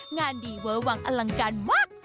งานดีเวอร์วังอลังการมาก